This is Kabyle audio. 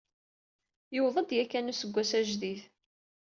Yewweḍ-d yakan useggas ajdid.